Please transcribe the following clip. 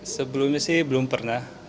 sebelumnya sih belum pernah